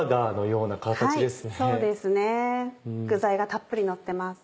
そうですね具材がたっぷりのってます。